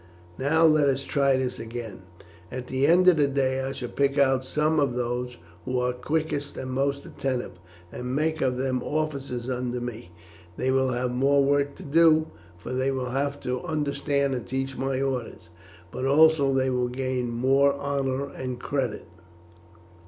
Now let us try this again. At the end of the day I shall pick out some of those who are quickest and most attentive, and make of them officers under me. They will have more work to do, for they will have to understand and teach my orders, but also they will gain more honour and credit."